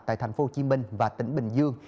tại thành phố hồ chí minh và tỉnh bình dương